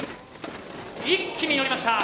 一気にのりました！